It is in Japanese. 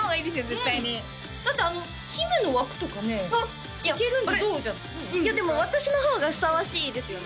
絶対にだって姫の枠とかねいけるいやでも私の方がふさわしいですよ